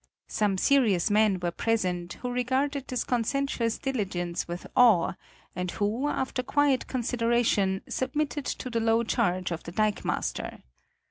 Some serious men were present, who regarded this conscientious diligence with awe, and who, after quiet consideration, submitted to the low charge of the dikemaster.